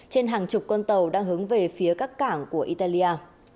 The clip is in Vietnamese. trên hàng chục con tàu đang hướng về phía các cảng của italia